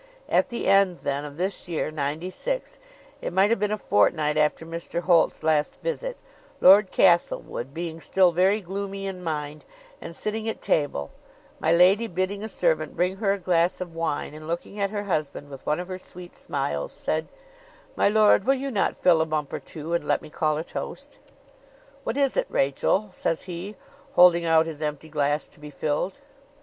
At the end, then, of this year, '96, it might have been a fortnight after Mr. Holt's last visit, Lord Castlewood being still very gloomy in mind, and sitting at table my lady bidding a servant bring her a glass of wine, and looking at her husband with one of her sweet smiles, said "My lord, will you not fill a bumper too, and let me call a toast?" "What is it, Rachel?" says he, holding out his empty glass to be filled.